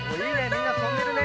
みんなとんでるね。